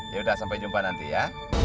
yaudah sampai jumpa nanti ya